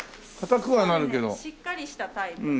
しっかりしたタイプの。